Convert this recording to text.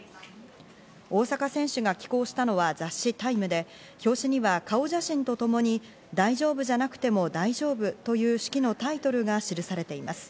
大坂選手が寄稿したのは雑誌『タイム』で表紙には顔写真とともに、大丈夫じゃなくても大丈夫という手記のタイトルが記されています。